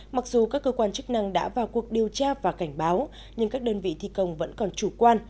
mặc dù các cơ quan chức năng đã vào cuộc điều tra và cảnh báo nhưng các đơn vị thi công vẫn còn chủ quan